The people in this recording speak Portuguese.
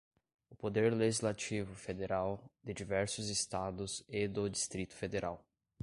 o poder legislativo federal, de diversos Estados e do Distrito Federal